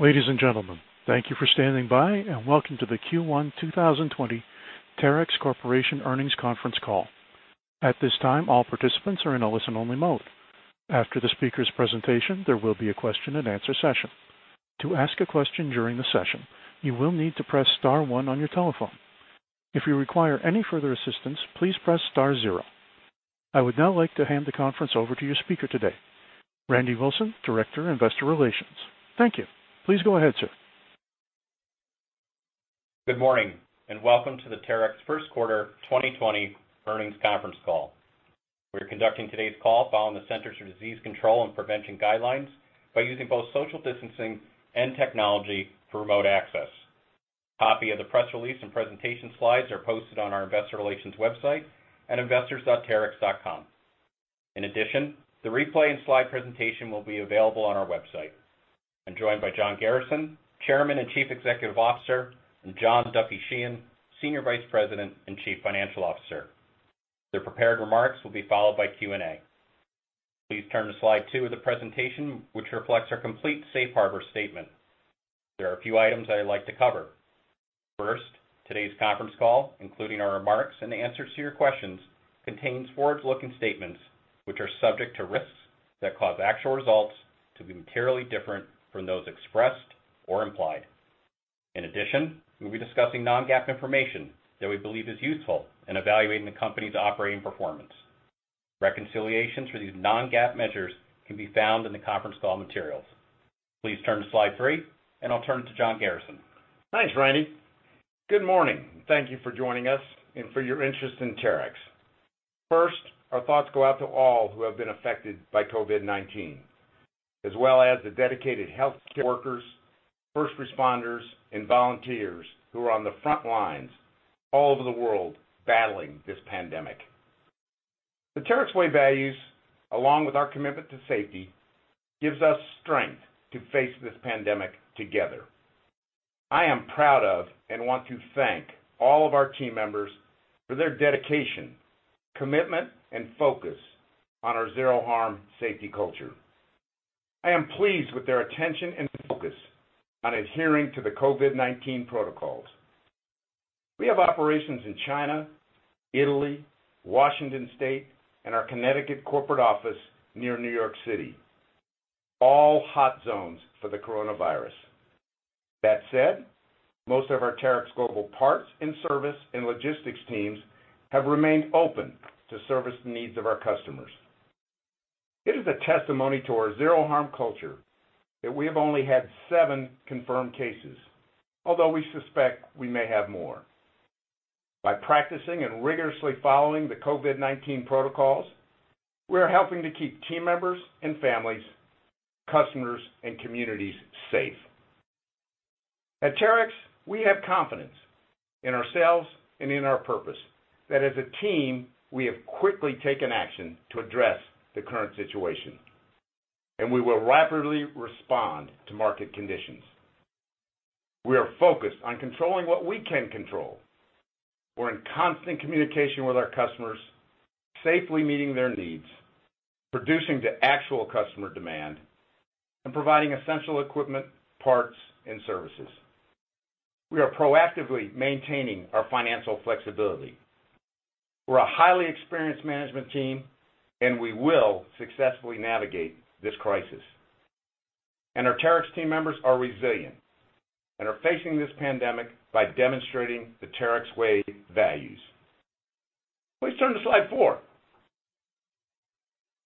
Ladies and gentlemen, thank you for standing by, and welcome to the Q1 2020 Terex Corporation Earnings Conference Call. At this time, all participants are in a listen-only mode. After the speaker's presentation, there will be a question and answer session. To ask a question during the session, you will need to press star one on your telephone. If you require any further assistance, please press star zero. I would now like to hand the conference over to your speaker today, Randy Wilson, Director, Investor Relations. Thank you. Please go ahead, sir. Good morning, and welcome to the Terex First Quarter 2020 Earnings Conference Call. We're conducting today's call following the Centers for Disease Control and Prevention guidelines by using both social distancing and technology for remote access. Copy of the press release and presentation slides are posted on our investor relations website at investors.terex.com. In addition, the replay and slide presentation will be available on our website. I'm joined by John Garrison, Chairman and Chief Executive Officer, and John Duffy Sheehan, Senior Vice President and Chief Financial Officer. Their prepared remarks will be followed by Q&A. Please turn to slide two of the presentation, which reflects our complete safe harbor statement. There are a few items I'd like to cover. First, today's conference call, including our remarks and the answers to your questions, contains forward-looking statements which are subject to risks that cause actual results to be materially different from those expressed or implied. In addition, we'll be discussing non-GAAP information that we believe is useful in evaluating the company's operating performance. Reconciliations for these non-GAAP measures can be found in the conference call materials. Please turn to slide three, and I'll turn it to John Garrison. Thanks, Randy. Good morning, and thank you for joining us and for your interest in Terex. First, our thoughts go out to all who have been affected by COVID-19, as well as the dedicated healthcare workers, first responders, and volunteers who are on the front lines all over the world battling this pandemic. The Terex Way values, along with our commitment to safety, gives us strength to face this pandemic together. I am proud of and want to thank all of our team members for their dedication, commitment, and focus on our Zero Harm safety culture. I am pleased with their attention and focus on adhering to the COVID-19 protocols. We have operations in China, Italy, Washington State, and our Connecticut corporate office near New York City, all hot zones for the coronavirus. That said, most of our Terex global parts and service and logistics teams have remained open to service the needs of our customers. It is a testimony to our Zero Harm culture that we have only had seven confirmed cases, although we suspect we may have more. By practicing and rigorously following the COVID-19 protocols, we are helping to keep team members and families, customers, and communities safe. At Terex, we have confidence in ourselves and in our purpose that as a team, we have quickly taken action to address the current situation, and we will rapidly respond to market conditions. We are focused on controlling what we can control. We're in constant communication with our customers, safely meeting their needs, producing to actual customer demand, and providing essential equipment, parts, and services. We are proactively maintaining our financial flexibility. We're a highly experienced management team, and we will successfully navigate this crisis. Our Terex team members are resilient and are facing this pandemic by demonstrating the Terex Way values. Please turn to slide four.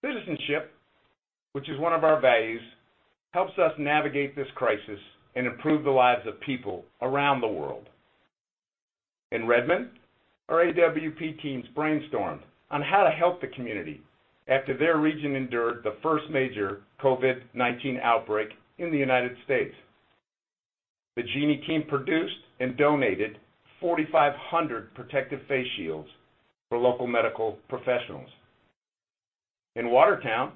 Citizenship, which is one of our values, helps us navigate this crisis and improve the lives of people around the world. In Redmond, our AWP teams brainstormed on how to help the community after their region endured the first major COVID-19 outbreak in the U.S. The Genie team produced and donated 4,500 protective face shields for local medical professionals. In Watertown,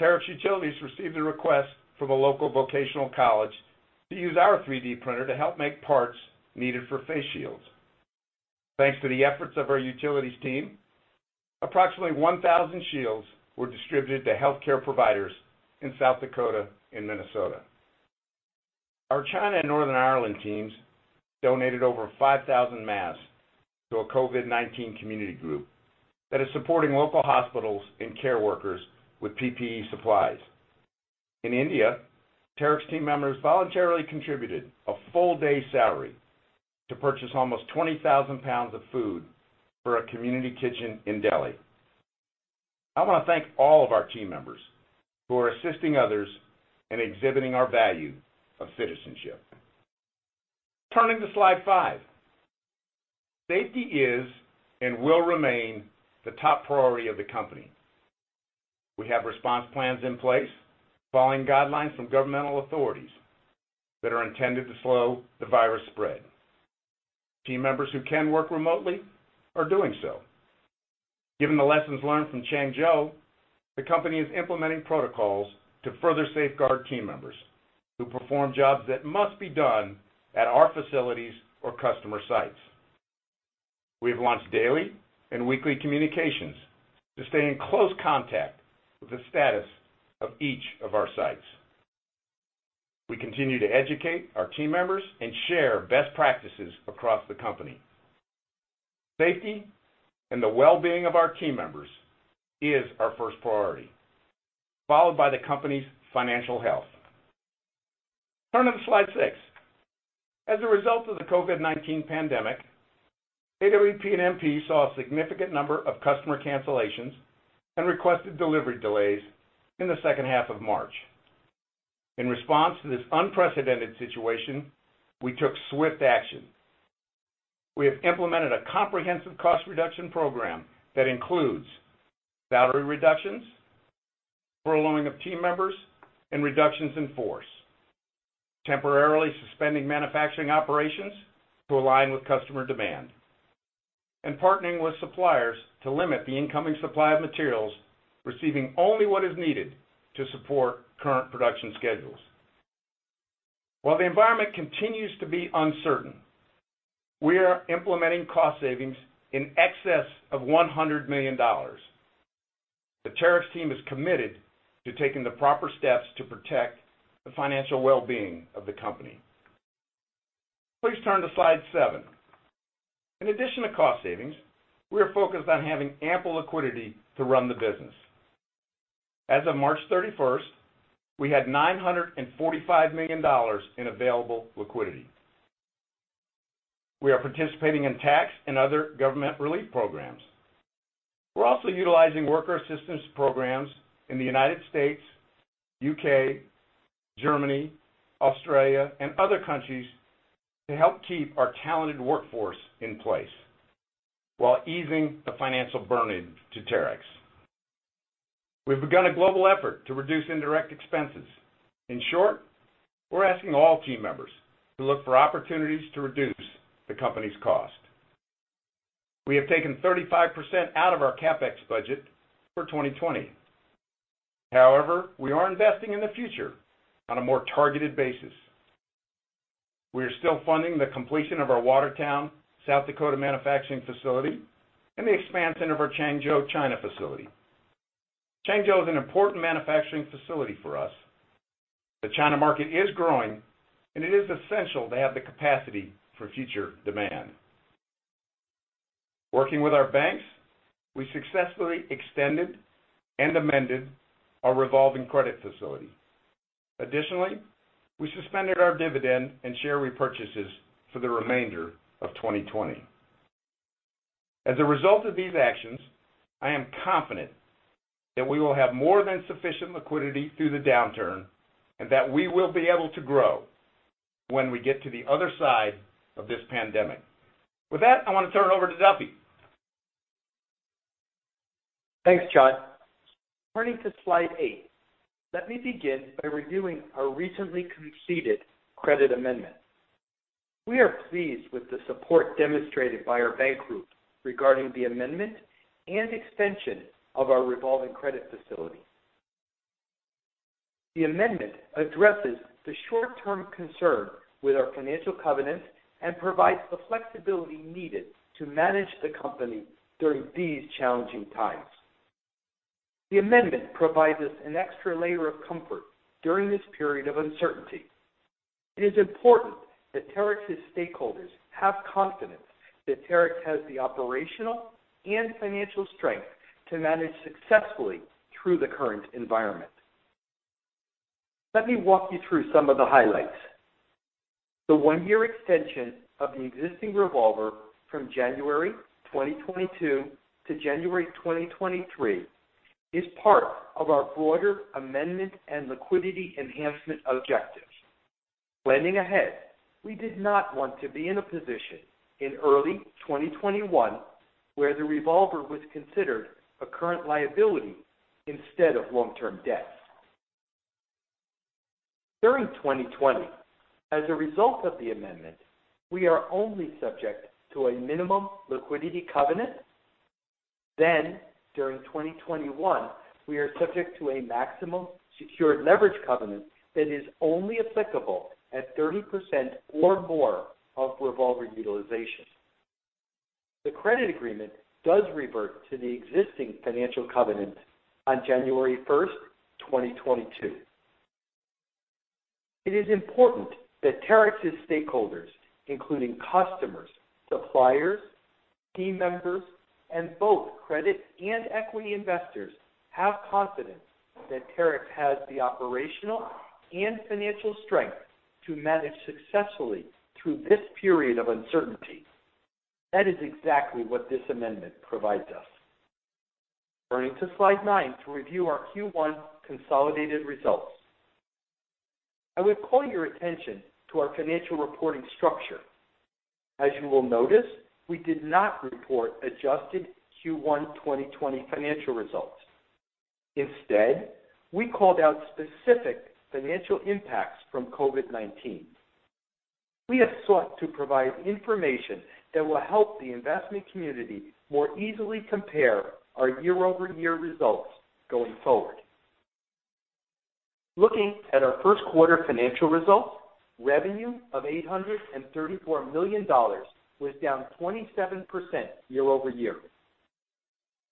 Terex Utilities received a request from a local vocational college to use our 3D printer to help make parts needed for face shields. Thanks to the efforts of our utilities team, approximately 1,000 shields were distributed to healthcare providers in South Dakota and Minnesota. Our China and Northern Ireland teams donated over 5,000 masks to a COVID-19 community group that is supporting local hospitals and care workers with PPE supplies. In India, Terex team members voluntarily contributed a full day's salary to purchase almost 20,000 pounds of food for a community kitchen in Delhi. I want to thank all of our team members who are assisting others and exhibiting our value of citizenship. Turning to slide five. Safety is and will remain the top priority of the company. We have response plans in place following guidelines from governmental authorities that are intended to slow the virus spread. Team members who can work remotely are doing so. Given the lessons learned from Changzhou, the company is implementing protocols to further safeguard team members who perform jobs that must be done at our facilities or customer sites. We have launched daily and weekly communications to stay in close contact with the status of each of our sites. We continue to educate our team members and share best practices across the company. Safety and the well-being of our team members is our first priority, followed by the company's financial health. Turn to slide six. As a result of the COVID-19 pandemic, AWP and MP saw a significant number of customer cancellations and requested delivery delays in the second half of March. In response to this unprecedented situation, we took swift action. We have implemented a comprehensive cost reduction program that includes salary reductions, furloughing of team members, and reductions in force, temporarily suspending manufacturing operations to align with customer demand, and partnering with suppliers to limit the incoming supply of materials, receiving only what is needed to support current production schedules. While the environment continues to be uncertain, we are implementing cost savings in excess of $100 million. The Terex team is committed to taking the proper steps to protect the financial well-being of the company. Please turn to slide seven. In addition to cost savings, we are focused on having ample liquidity to run the business. As of March 31st, we had $945 million in available liquidity. We are participating in tax and other government relief programs. We're also utilizing worker assistance programs in the United States, U.K., Germany, Australia, and other countries to help keep our talented workforce in place while easing the financial burden to Terex. We've begun a global effort to reduce indirect expenses. In short, we're asking all team members to look for opportunities to reduce the company's cost. We have taken 35% out of our CapEx budget for 2020. We are investing in the future on a more targeted basis. We are still funding the completion of our Watertown, South Dakota, manufacturing facility and the expansion of our Changzhou, China, facility. Changzhou is an important manufacturing facility for us. The China market is growing, it is essential to have the capacity for future demand. Working with our banks, we successfully extended and amended our revolving credit facility. We suspended our dividend and share repurchases for the remainder of 2020. As a result of these actions, I am confident that we will have more than sufficient liquidity through the downturn and that we will be able to grow when we get to the other side of this pandemic. With that, I want to turn it over to Duffy. Thanks, John. Turning to slide eight, let me begin by reviewing our recently conceded credit amendment. We are pleased with the support demonstrated by our bank group regarding the amendment and extension of our revolving credit facility. The amendment addresses the short-term concern with our financial covenants and provides the flexibility needed to manage the company during these challenging times. The amendment provides us an extra layer of comfort during this period of uncertainty. It is important that Terex's stakeholders have confidence that Terex has the operational and financial strength to manage successfully through the current environment. Let me walk you through some of the highlights. The one-year extension of the existing revolver from January 2022 to January 2023 is part of our broader amendment and liquidity enhancement objectives. Planning ahead, we did not want to be in a position in early 2021 where the revolver was considered a current liability instead of long-term debt. During 2020, as a result of the amendment, we are only subject to a minimum liquidity covenant. During 2021, we are subject to a maximum secured leverage covenant that is only applicable at 30% or more of revolver utilization. The credit agreement does revert to the existing financial covenants on January 1st, 2022. It is important that Terex's stakeholders, including customers, suppliers, team members, and both credit and equity investors, have confidence that Terex has the operational and financial strength to manage successfully through this period of uncertainty. That is exactly what this amendment provides us. Turning to slide nine to review our Q1 consolidated results. I would call your attention to our financial reporting structure. As you will notice, we did not report adjusted Q1 2020 financial results. Instead, we called out specific financial impacts from COVID-19. We have sought to provide information that will help the investment community more easily compare our year-over-year results going forward. Looking at our first quarter financial results, revenue of $834 million was down 27% year-over-year.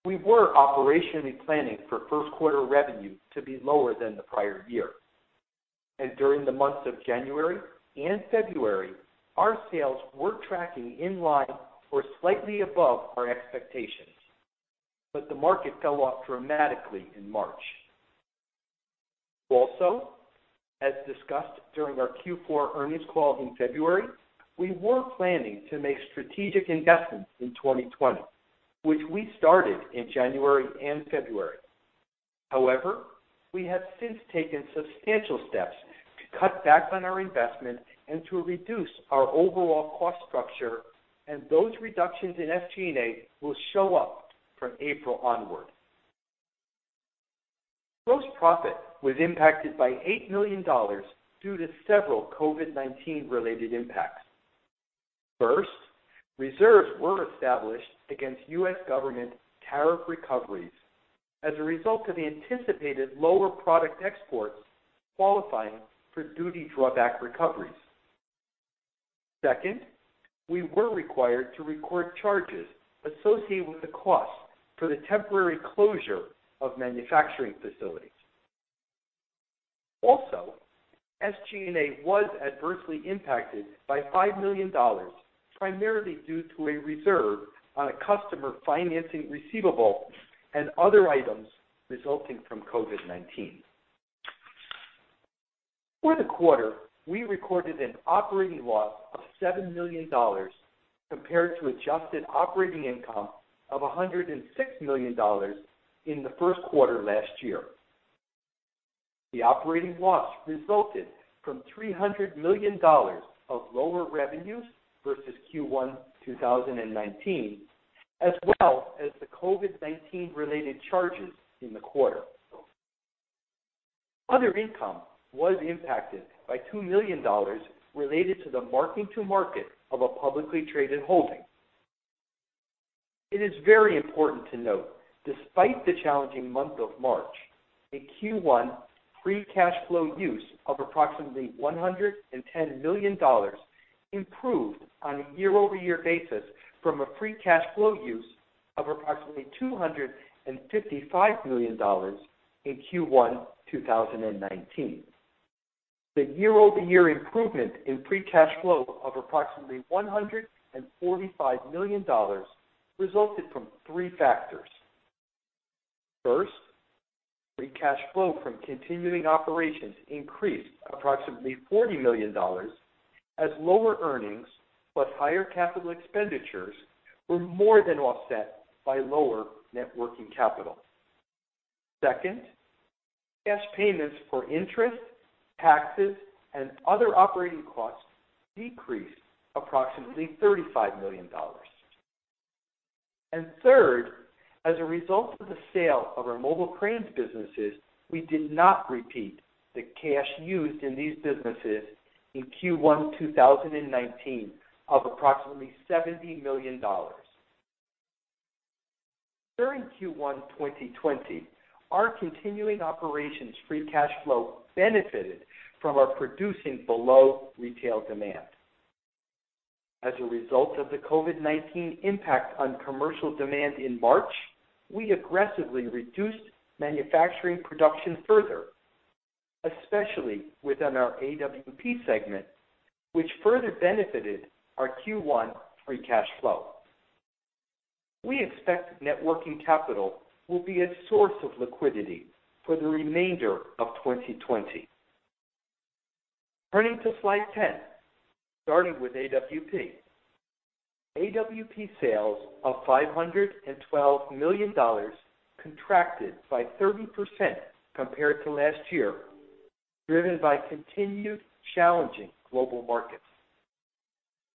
We were operationally planning for first quarter revenue to be lower than the prior year. During the months of January and February, our sales were tracking in line or slightly above our expectations, but the market fell off dramatically in March. Also, as discussed during our Q4 earnings call in February, we were planning to make strategic investments in 2020, which we started in January and February. We have since taken substantial steps to cut back on our investment and to reduce our overall cost structure, and those reductions in SG&A will show up from April onward. Gross profit was impacted by $8 million due to several COVID-19 related impacts. First, reserves were established against U.S. government tariff recoveries as a result of the anticipated lower product exports qualifying for duty drawback recoveries. Second, we were required to record charges associated with the cost for the temporary closure of manufacturing facilities. SG&A was adversely impacted by $5 million, primarily due to a reserve on a customer financing receivable and other items resulting from COVID-19. For the quarter, we recorded an operating loss of $7 million compared to adjusted operating income of $106 million in the first quarter last year. The operating loss resulted from $300 million of lower revenues versus Q1 2019, as well as the COVID-19 related charges in the quarter. Other income was impacted by $2 million related to the marking to market of a publicly traded holding. It is very important to note, despite the challenging month of March, in Q1, free cash flow use of approximately $110 million improved on a year-over-year basis from a free cash flow use of approximately $255 million in Q1 2019. The year-over-year improvement in free cash flow of approximately $145 million resulted from three factors. First, free cash flow from continuing operations increased approximately $40 million as lower earnings plus higher capital expenditures were more than offset by lower net working capital. Second, cash payments for interest, taxes, and other operating costs decreased approximately $35 million. Third, as a result of the sale of our mobile cranes businesses, we did not repeat the cash used in these businesses in Q1 2019 of approximately $70 million. During Q1 2020, our continuing operations free cash flow benefited from our producing below retail demand. As a result of the COVID-19 impact on commercial demand in March, we aggressively reduced manufacturing production further, especially within our AWP segment, which further benefited our Q1 free cash flow. We expect net working capital will be a source of liquidity for the remainder of 2020. Turning to slide 10, starting with AWP. AWP sales of $512 million contracted by 30% compared to last year, driven by continued challenging global markets.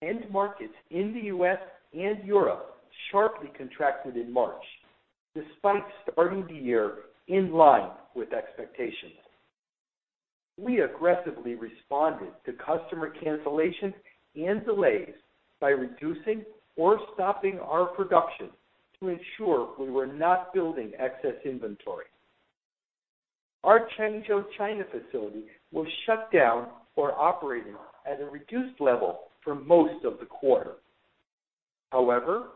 End markets in the U.S. and Europe sharply contracted in March, despite starting the year in line with expectations. We aggressively responded to customer cancellations and delays by reducing or stopping our production to ensure we were not building excess inventory. Our Changzhou China facility was shut down or operating at a reduced level for most of the quarter. However,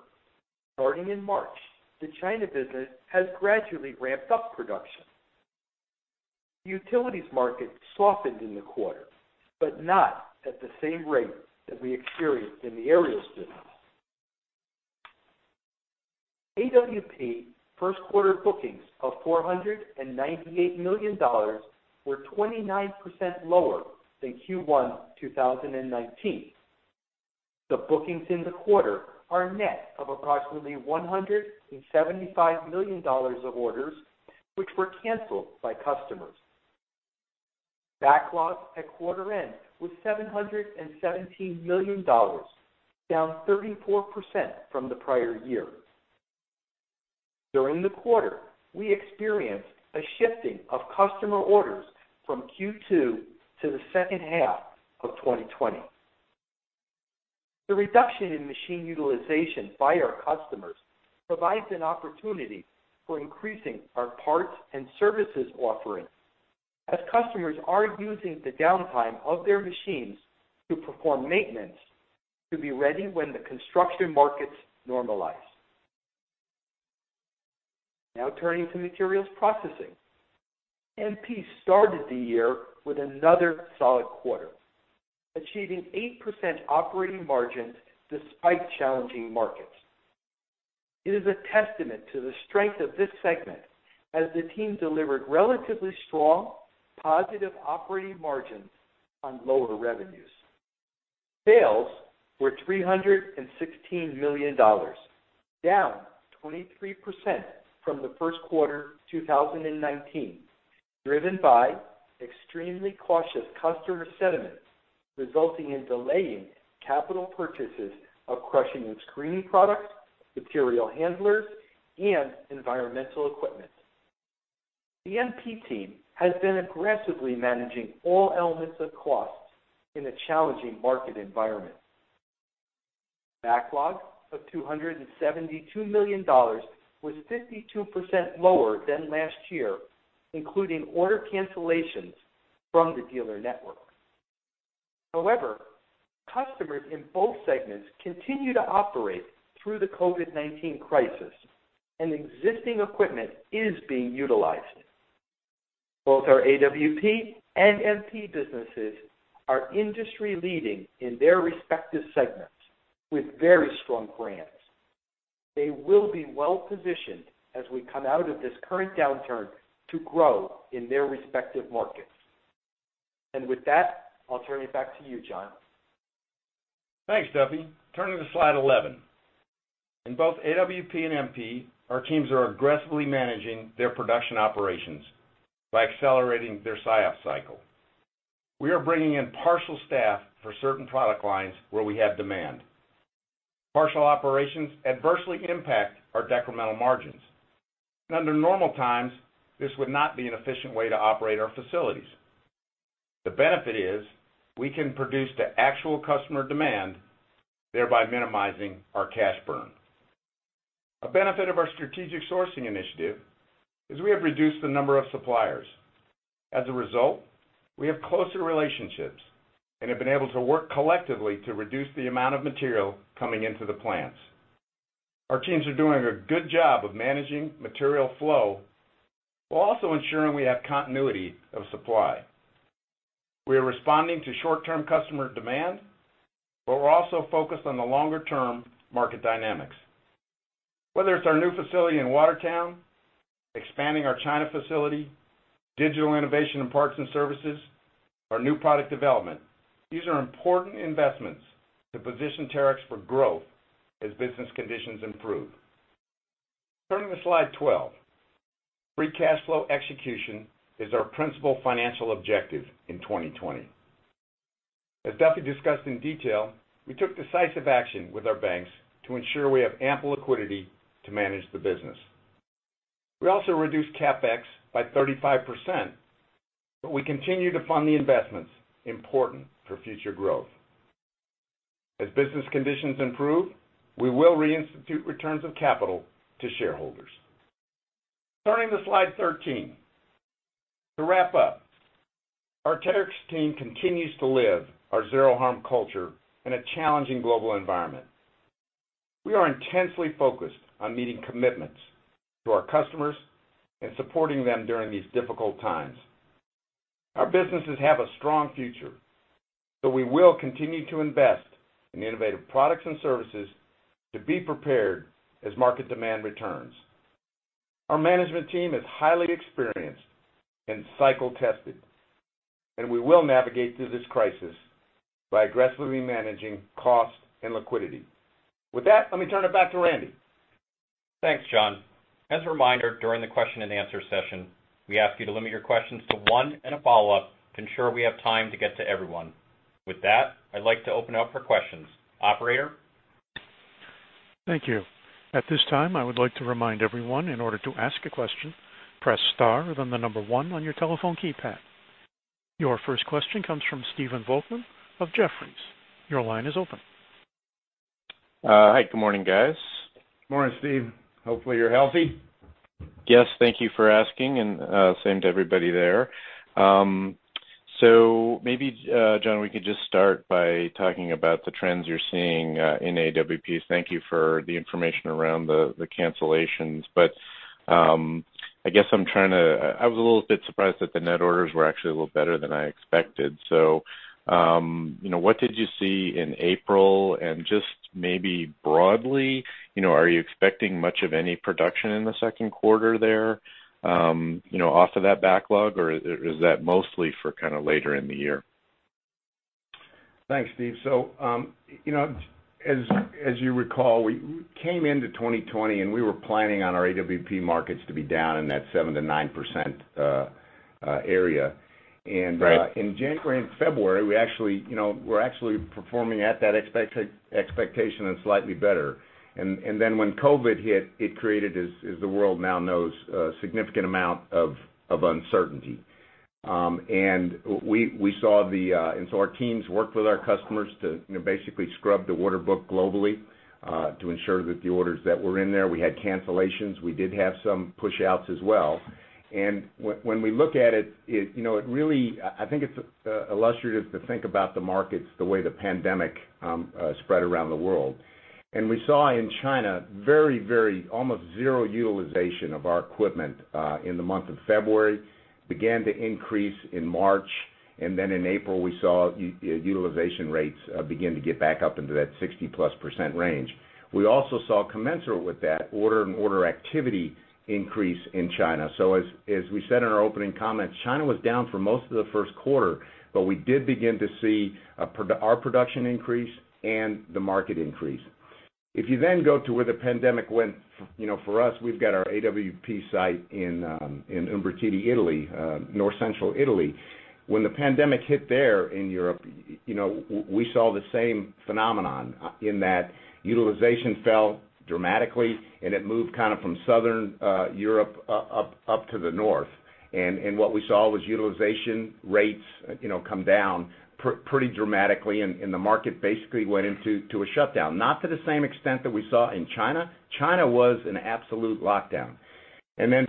starting in March, the China business has gradually ramped up production. The utilities market softened in the quarter, but not at the same rate as we experienced in the aerial business. AWP first quarter bookings of $498 million were 29% lower than Q1 2019. The bookings in the quarter are net of approximately $175 million of orders, which were canceled by customers. Backlog at quarter end was $717 million, down 34% from the prior year. During the quarter, we experienced a shifting of customer orders from Q2 to the second half of 2020. The reduction in machine utilization by our customers provides an opportunity for increasing our parts and services offering as customers are using the downtime of their machines to perform maintenance to be ready when the construction markets normalize. Now turning to Materials Processing. MP started the year with another solid quarter, achieving 8% operating margins despite challenging markets. It is a testament to the strength of this segment as the team delivered relatively strong positive operating margins on lower revenues. Sales were $316 million, down 23% from the first quarter 2019, driven by extremely cautious customer sentiments resulting in delaying capital purchases of crushing and screening products, material handlers, and environmental equipment. The MP team has been aggressively managing all elements of costs in a challenging market environment. Backlog of $272 million was 52% lower than last year, including order cancellations from the dealer network. Customers in both segments continue to operate through the COVID-19 crisis, and existing equipment is being utilized. Both our AWP and MP businesses are industry leading in their respective segments with very strong brands. They will be well-positioned as we come out of this current downturn to grow in their respective markets. I'll turn it back to you, John. Thanks, Duffy. Turning to slide 11. In both AWP and MP, our teams are aggressively managing their production operations by accelerating their SIOP cycle. We are bringing in partial staff for certain product lines where we have demand. Partial operations adversely impact our decremental margins. Under normal times, this would not be an efficient way to operate our facilities. The benefit is we can produce to actual customer demand, thereby minimizing our cash burn. A benefit of our strategic sourcing initiative is we have reduced the number of suppliers. As a result, we have closer relationships and have been able to work collectively to reduce the amount of material coming into the plants. Our teams are doing a good job of managing material flow while also ensuring we have continuity of supply. We are responding to short-term customer demand, but we're also focused on the longer-term market dynamics. Whether it's our new facility in Watertown, expanding our China facility, digital innovation in parts and services, our new product development, these are important investments to position Terex for growth as business conditions improve. Turning to slide 12. Free cash flow execution is our principal financial objective in 2020. As Duffy discussed in detail, we took decisive action with our banks to ensure we have ample liquidity to manage the business. We also reduced CapEx by 35%, but we continue to fund the investments important for future growth. As business conditions improve, we will reinstitute returns of capital to shareholders. Turning to slide 13. To wrap up, our Terex team continues to live our Zero Harm culture in a challenging global environment. We are intensely focused on meeting commitments to our customers and supporting them during these difficult times. Our businesses have a strong future. We will continue to invest in innovative products and services to be prepared as market demand returns. Our management team is highly experienced and cycle tested. We will navigate through this crisis by aggressively managing cost and liquidity. With that, let me turn it back to Randy. Thanks, John. As a reminder, during the question and answer session, we ask you to limit your questions to one and a follow-up to ensure we have time to get to everyone. With that, I'd like to open up for questions. Operator? Thank you. At this time, I would like to remind everyone in order to ask a question, press star, then the number one on your telephone keypad. Your first question comes from Stephen Volkmann of Jefferies. Your line is open. Hi, good morning, guys. Morning, Steve. Hopefully you're healthy. Yes, thank you for asking, same to everybody there. Maybe, John, we could just start by talking about the trends you're seeing in AWP. Thank you for the information around the cancellations. I guess I was a little bit surprised that the net orders were actually a little better than I expected. What did you see in April and just maybe broadly, are you expecting much of any production in the second quarter there off of that backlog, or is that mostly for kind of later in the year? Thanks, Steve. As you recall, we came into 2020 and we were planning on our AWP markets to be down in that 7%-9% area. Right. In January and February, we were actually performing at that expectation and slightly better. When COVID-19 hit, it created, as the world now knows, a significant amount of uncertainty. Our teams worked with our customers to basically scrub the order book globally to ensure that the orders that were in there. We had cancellations. We did have some pushouts as well. When we look at it, I think it's illustrative to think about the markets the way the pandemic spread around the world. We saw in China very, almost zero utilization of our equipment in the month of February, began to increase in March, and then in April, we saw utilization rates begin to get back up into that 60%+ range. We also saw commensurate with that order activity increase in China. As we said in our opening comments, China was down for most of the first quarter, but we did begin to see our production increase and the market increase. If you then go to where the pandemic went, for us, we've got our AWP site in Umbertide, Italy, north-central Italy. When the pandemic hit there in Europe, we saw the same phenomenon in that utilization fell dramatically, and it moved from Southern Europe up to the north. What we saw was utilization rates come down pretty dramatically, and the market basically went into a shutdown. Not to the same extent that we saw in China. China was an absolute lockdown.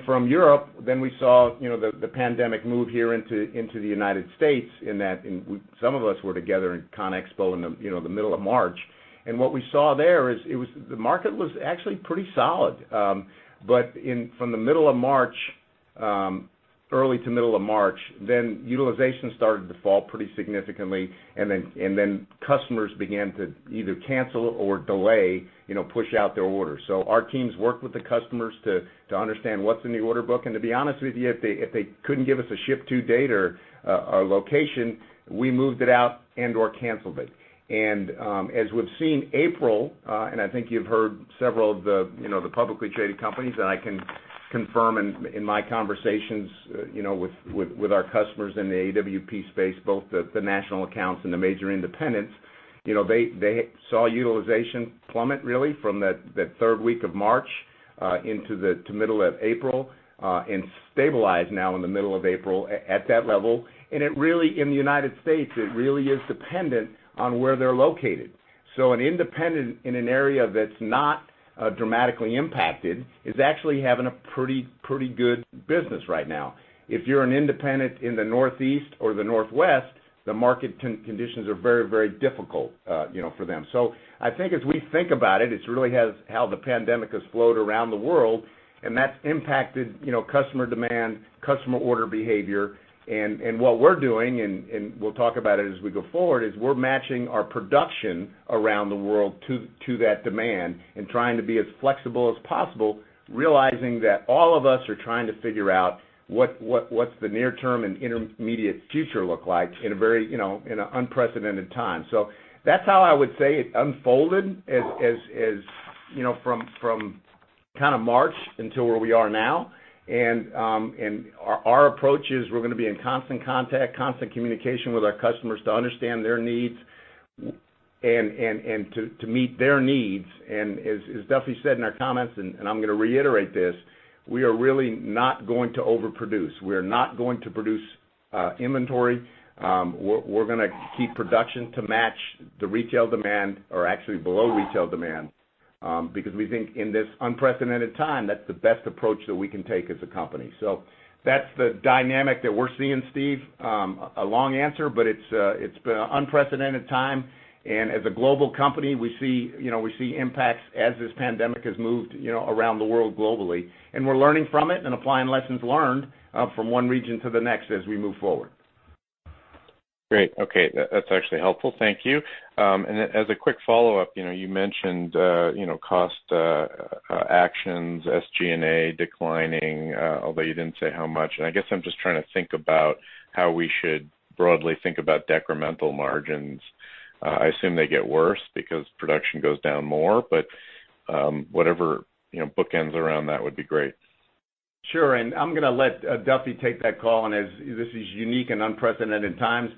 From Europe, then we saw the pandemic move here into the United States in that some of us were together in ConExpo in the middle of March. What we saw there is the market was actually pretty solid. From the middle of March, early to middle of March, then utilization started to fall pretty significantly, and then customers began to either cancel or delay, push out their orders. Our teams worked with the customers to understand what's in the order book. To be honest with you, if they couldn't give us a ship-to date or a location, we moved it out and/or canceled it. As we've seen April, and I think you've heard several of the publicly traded companies, and I can confirm in my conversations with our customers in the AWP space, both the national accounts and the major independents, they saw utilization plummet really from the third week of March into middle of April, and stabilize now in the middle of April at that level. In the United States, it really is dependent on where they're located. An independent in an area that's not dramatically impacted is actually having a pretty good business right now. If you're an independent in the Northeast or the Northwest, the market conditions are very, very difficult for them. I think as we think about it's really how the pandemic has flowed around the world, and that's impacted customer demand, customer order behavior. What we're doing, and we'll talk about it as we go forward, is we're matching our production around the world to that demand and trying to be as flexible as possible, realizing that all of us are trying to figure out what's the near term and intermediate future look like in an unprecedented time. That's how I would say it unfolded from March until where we are now. Our approach is we're going to be in constant contact, constant communication with our customers to understand their needs and to meet their needs. As Duffy said in our comments, I'm going to reiterate this, we are really not going to overproduce. We are not going to produce inventory. We're going to keep production to match the retail demand, or actually below retail demand, because we think in this unprecedented time, that's the best approach that we can take as a company. That's the dynamic that we're seeing, Steve. A long answer, but it's been an unprecedented time. As a global company, we see impacts as this pandemic has moved around the world globally. We're learning from it and applying lessons learned from one region to the next as we move forward. Great. Okay. That's actually helpful. Thank you. As a quick follow-up, you mentioned cost actions, SG&A declining, although you didn't say how much. I guess I'm just trying to think about how we should broadly think about decremental margins. I assume they get worse because production goes down more. Whatever bookends around that would be great. Sure. I'm going to let Duffy take that call, and as this is unique and unprecedented times,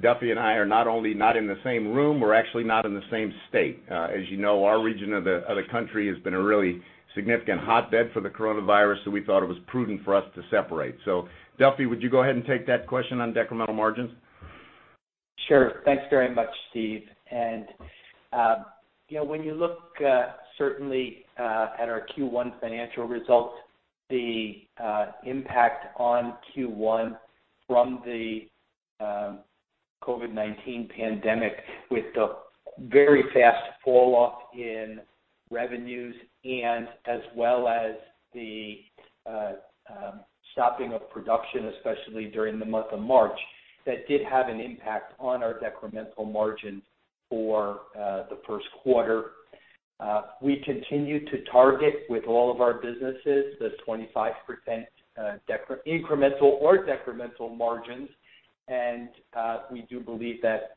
Duffy and I are not only not in the same room, we're actually not in the same state. As you know, our region of the country has been a really significant hotbed for the coronavirus, so we thought it was prudent for us to separate. Duffy, would you go ahead and take that question on decremental margins? Sure. Thanks very much, Steve. When you look certainly at our Q1 financial results, the impact on Q1 from the COVID-19 pandemic with the very fast fall-off in revenues and as well as the stopping of production, especially during the month of March, that did have an impact on our decremental margins for the first quarter. We continue to target with all of our businesses the 25% incremental or decremental margins, and we do believe that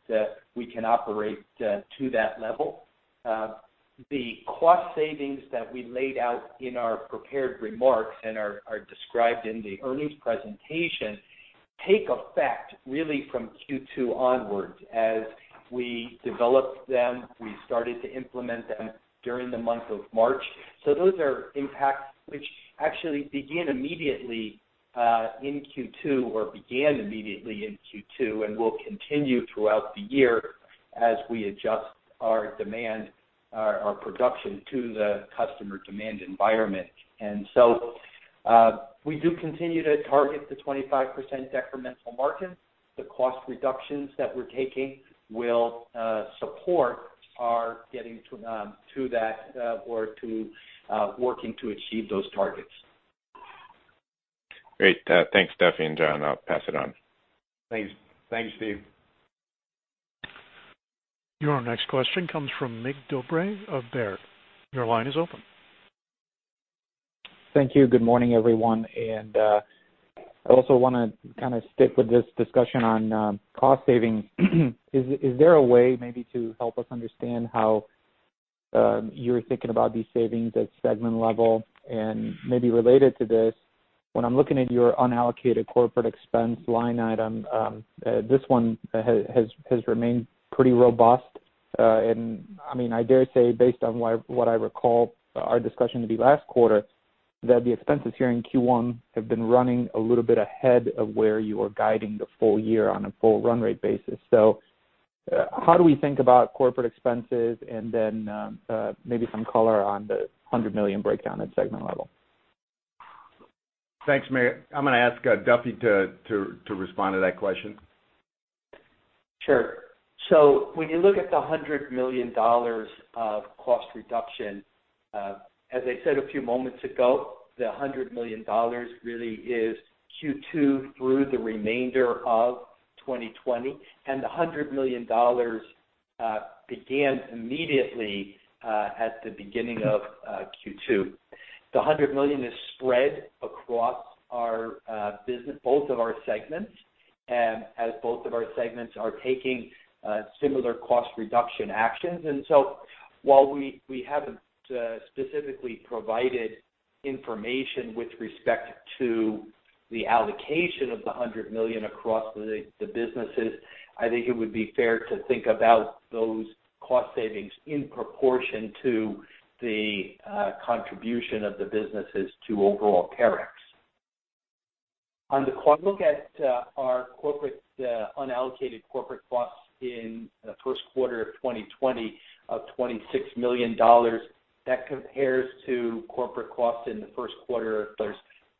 we can operate to that level. The cost savings that we laid out in our prepared remarks and are described in the earnings presentation take effect really from Q2 onwards. As we developed them, we started to implement them during the month of March. Those are impacts which actually begin immediately in Q2 or began immediately in Q2 and will continue throughout the year as we adjust our production to the customer demand environment. We do continue to target the 25% decremental margin. The cost reductions that we're taking will support our getting to that, or to working to achieve those targets. Great. Thanks, Duffy and John. I'll pass it on. Thanks, Steve. Your next question comes from Mig Dobre of Baird. Your line is open. Thank you. Good morning, everyone. I also want to kind of stick with this discussion on cost savings. Is there a way maybe to help us understand how you're thinking about these savings at segment level? Maybe related to this, when I'm looking at your unallocated corporate expense line item, this one has remained pretty robust. I dare say, based on what I recall our discussion to be last quarter, that the expenses here in Q1 have been running a little bit ahead of where you are guiding the full year on a full run rate basis. How do we think about corporate expenses? Then maybe some color on the $100 million breakdown at segment level. Thanks, Mig. I'm going to ask Duffy to respond to that question. Sure. When you look at the $100 million of cost reduction, as I said a few moments ago, the $100 million really is Q2 through the remainder of 2020, and the $100 million began immediately, at the beginning of Q2. The $100 million is spread across both of our segments, as both of our segments are taking similar cost reduction actions. While we haven't specifically provided information with respect to the allocation of the $100 million across the businesses, I think it would be fair to think about those cost savings in proportion to the contribution of the businesses to overall Terex. On the look at our unallocated corporate costs in the first quarter of 2020 of $26 million, that compares to corporate costs in the first quarter.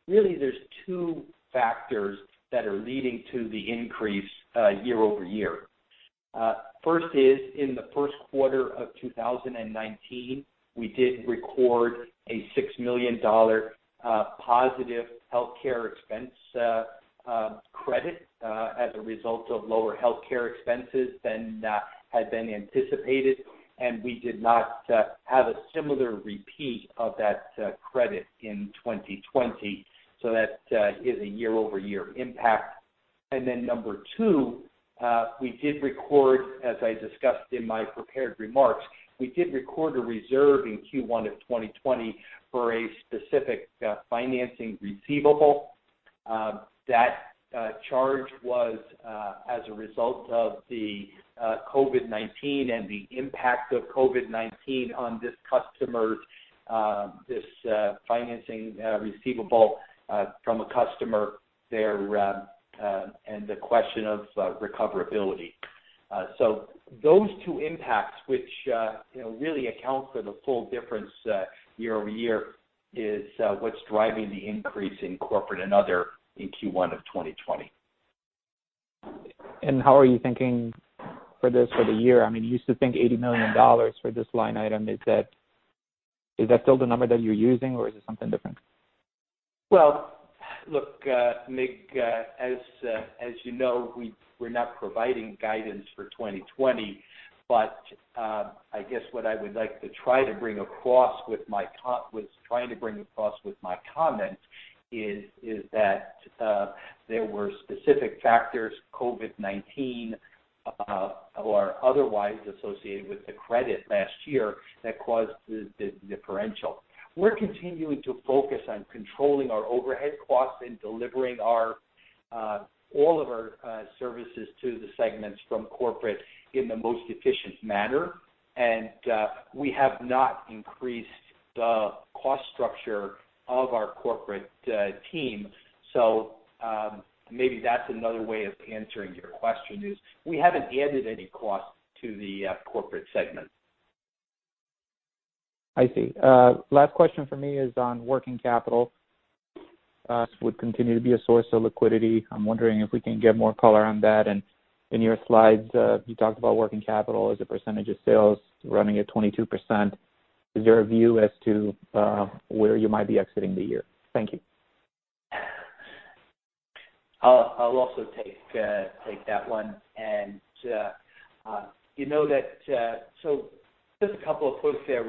Really there's two factors that are leading to the increase year-over-year. First is in the first quarter of 2019, we did record a $6 million positive healthcare expense credit as a result of lower healthcare expenses than had been anticipated, and we did not have a similar repeat of that credit in 2020. That is a year-over-year impact. Number two, we did record, as I discussed in my prepared remarks, we did record a reserve in Q1 of 2020 for a specific financing receivable. That charge was as a result of the COVID-19 and the impact of COVID-19 on this financing receivable from a customer there and the question of recoverability. Those two impacts, which really account for the full difference year-over-year, is what's driving the increase in corporate and other in Q1 of 2020. How are you thinking for the year? You used to think $80 million for this line item. Is that still the number that you're using, or is it something different? Look, Mig, as you know, we're not providing guidance for 2020. I guess what I was trying to bring across with my comments is that there were specific factors, COVID-19 or otherwise, associated with the credit last year that caused the differential. We're continuing to focus on controlling our overhead costs and delivering all of our services to the segments from corporate in the most efficient manner, we have not increased the cost structure of our corporate team. Maybe that's another way of answering your question, is we haven't added any cost to the corporate segment. I see. Last question from me is on working capital. This would continue to be a source of liquidity. I'm wondering if we can get more color on that. In your slides, you talked about working capital as a percentage of sales running at 22%. Is there a view as to where you might be exiting the year? Thank you. I'll also take that one. Just a couple of quotes there.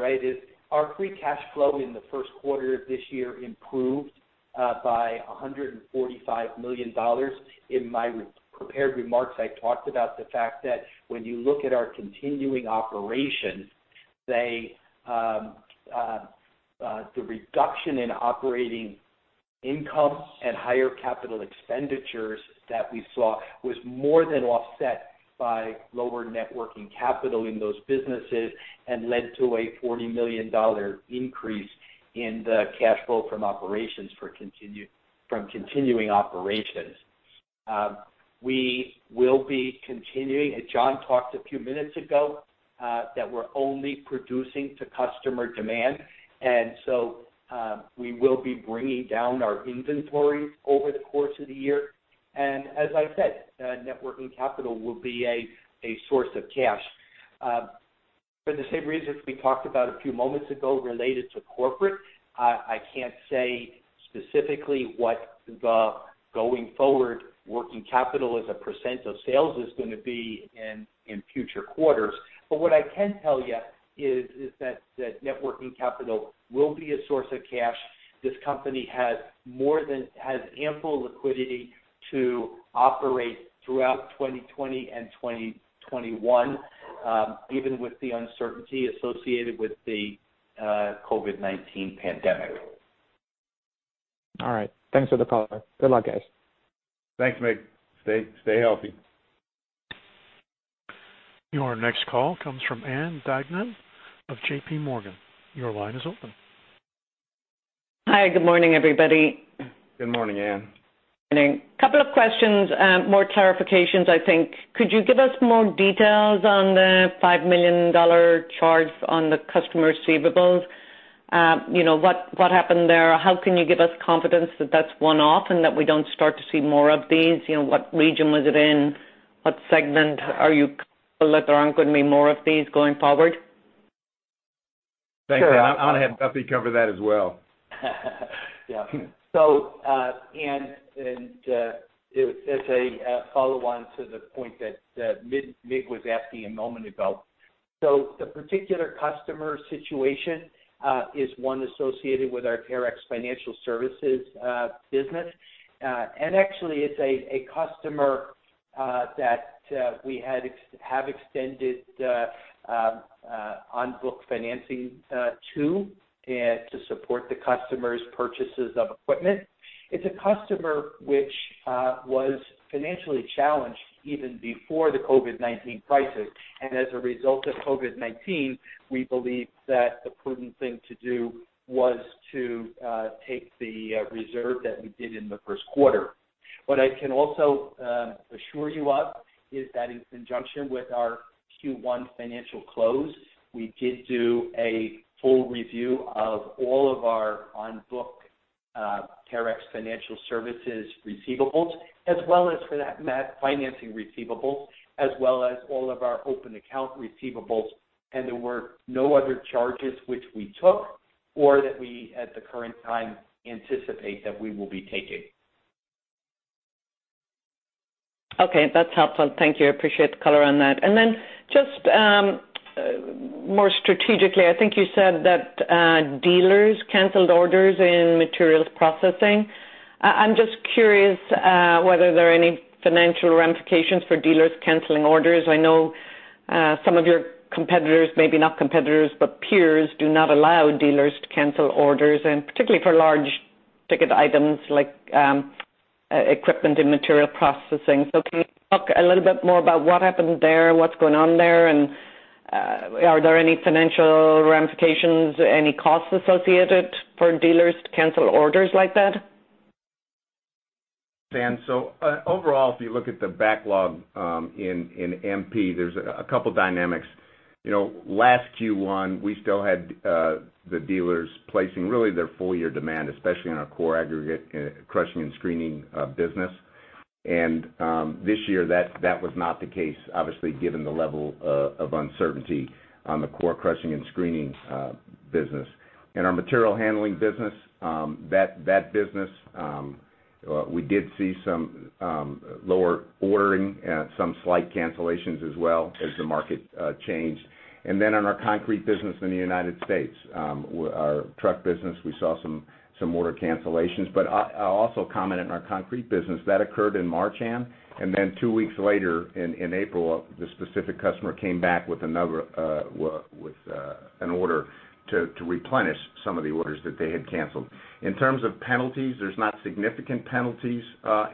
Our free cash flow in the first quarter of this year improved by $145 million. In my prepared remarks, I talked about the fact that when you look at our continuing operations, the reduction in operating income and higher capital expenditures that we saw was more than offset by lower net working capital in those businesses and led to a $40 million increase in the cash flow from continuing operations. We will be continuing, as John talked a few minutes ago, that we're only producing to customer demand. We will be bringing down our inventory over the course of the year. As I said, net working capital will be a source of cash. For the same reasons we talked about a few moments ago, related to corporate, I can't say specifically what the going forward working capital as a percent of sales is going to be in future quarters. What I can tell you is that net working capital will be a source of cash. This company has ample liquidity to operate throughout 2020 and 2021, even with the uncertainty associated with the COVID-19 pandemic. All right, thanks for the call. Good luck, guys. Thanks, Mig. Stay healthy. Your next call comes from Ann Duignan of JPMorgan. Your line is open. Hi. Good morning, everybody. Good morning, Ann. Morning. Couple of questions, more clarifications, I think. Could you give us more details on the $5 million charge on the customer receivables? What happened there? How can you give us confidence that that's one-off and that we don't start to see more of these? What region was it in? What segment? Are you comfortable that there aren't going to be more of these going forward? Thanks, Ann. I'll have Duffy cover that as well. Ann, as a follow-on to the point that Mig was asking a moment ago. The particular customer situation is one associated with our Terex Financial Services business. Actually, it's a customer that we have extended on-book financing to support the customer's purchases of equipment. It's a customer which was financially challenged even before the COVID-19 crisis. As a result of COVID-19, we believe that the prudent thing to do was to take the reserve that we did in the first quarter. What I can also assure you of is that in conjunction with our Q1 financial close, we did do a full review of all of our on-book Terex Financial Services receivables as well as for that financing receivables, as well as all of our open account receivables. There were no other charges which we took or that we, at the current time, anticipate that we will be taking. Okay, that's helpful. Thank you. I appreciate the color on that. Then just more strategically, I think you said that dealers canceled orders in Materials Processing. I am just curious whether there are any financial ramifications for dealers canceling orders. I know some of your competitors, maybe not competitors, but peers, do not allow dealers to cancel orders, and particularly for large-ticket items like equipment and Materials Processing. Can you talk a little bit more about what happened there, what is going on there, and are there any financial ramifications, any costs associated for dealers to cancel orders like that? Ann, overall, if you look at the backlog in MP, there's a couple dynamics. Last Q1, we still had the dealers placing really their full year demand, especially in our core aggregate crushing and screening business. This year, that was not the case, obviously, given the level of uncertainty on the core crushing and screening business. In our material handling business, we did see some lower ordering, some slight cancellations as well as the market changed. On our concrete business in the United States, our truck business, we saw some order cancellations. I'll also comment on our concrete business. That occurred in March, Ann, Then two weeks later in April, the specific customer came back with an order to replenish some of the orders that they had canceled. In terms of penalties, there's not significant penalties,